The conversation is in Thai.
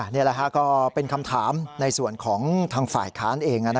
นี่แหละฮะก็เป็นคำถามในส่วนของทางฝ่ายค้านเอง